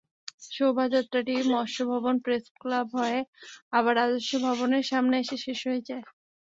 শোভাযাত্রাটি মৎস্য ভবন, প্রেসক্লাব হয়ে আবার রাজস্ব ভবনের সামনে এসে শেষ হয়।